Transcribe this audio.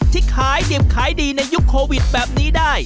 ที่ขายดิบขายดีในยุคโควิดแบบนี้ได้